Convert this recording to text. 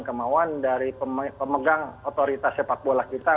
kemauan dari pemegang otoritas sepak bola kita